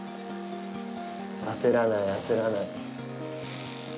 焦らない、焦らない。